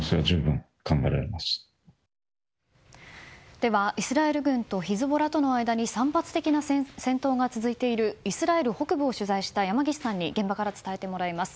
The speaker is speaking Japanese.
では、イスラエル軍とヒズボラとの間に散発的な戦闘が続いているイスラエル北部を取材した山岸さんに現場から伝えてもらいます。